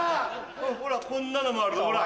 ほらこんなのもある。